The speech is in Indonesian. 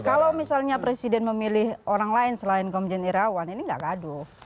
kalau misalnya presiden memilih orang lain selain komjen irawan ini nggak gaduh